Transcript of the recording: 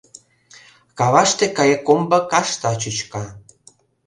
Каваште Кайыккомбо кашта чӱчка.